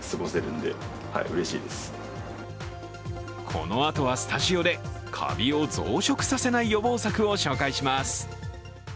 このあとはスタジオでカビを増殖させない予防策を紹介します。